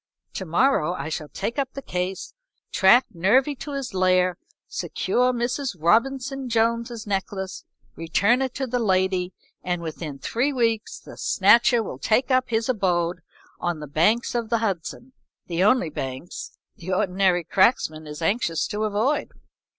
"To morrow I shall take up the case, track Nervy to his lair, secure Mrs. Robinson Jones' necklace, return it to the lady, and within three weeks the Snatcher will take up his abode on the banks of the Hudson, the only banks the ordinary cracksman is anxious to avoid."